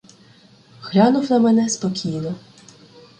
Глянув на мене спокійно.